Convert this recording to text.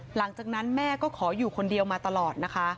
หลังจากนั้นแม่ก็ขออยู่คนเดียวมาตลอดนะคะ